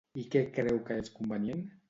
I què creu que és convenient?